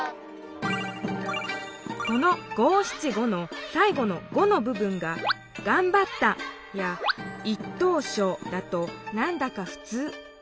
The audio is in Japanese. この「五・七・五」のさい後の「五」のぶ分が「がんばった」や「一等賞」だとなんだかふつう。